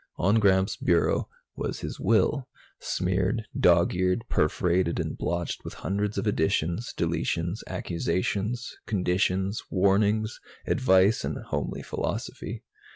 On Gramps' bureau was his will, smeared, dog eared, perforated and blotched with hundreds of additions, deletions, accusations, conditions, warnings, advice and homely philosophy.